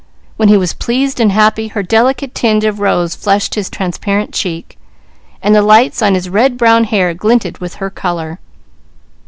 When he was pleased and happy, her delicate tinge of rose flushed his transparent cheek, while the lights on his red brown hair glinted with her colour.